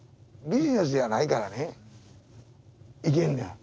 ビジネスじゃないからねいけんのや。